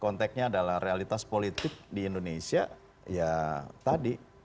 konteksnya adalah realitas politik di indonesia ya tadi